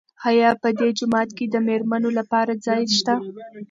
آیا په دې جومات کې د مېرمنو لپاره ځای شته؟